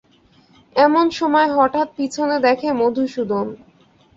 এমন সময় হঠাৎ পিছনে দেখে মধুসূদন।